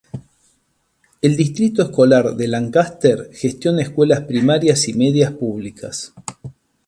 El Distrito Escolar de Lancaster gestiona escuelas primarias y medias públicas.